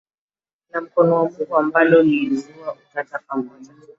La mkono wa Mungu ambalo lilizua utata pamoja